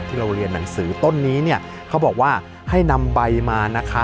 ที่เราเรียนหนังสือต้นนี้เนี่ยเขาบอกว่าให้นำใบมานะคะ